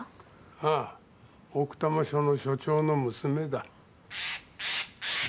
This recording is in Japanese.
ああ奥多摩署の署長の娘だ。